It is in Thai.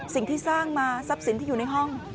สิ่งที่สร้างมาทรัพย์สินที่อยู่ในห้อง